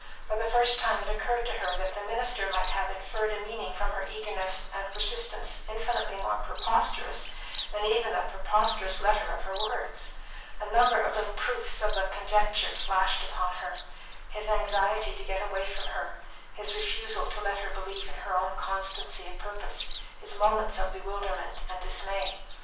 For the first time it occurred to her that the minister might have inferred a meaning from her eagerness and persistence infinitely more preposterous than even the preposterous letter of her words. A number of little proofs of the conjecture flashed upon her: his anxiety to get away from her, his refusal to let her believe in her own constancy of purpose, his moments of bewilderment and dismay.